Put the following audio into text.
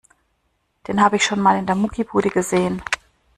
Den habe ich schon mal in der Muckibude gesehen.